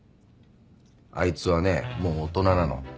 あいつはねもう大人なの。